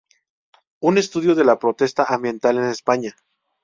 Un estudio de la protesta ambiental en España".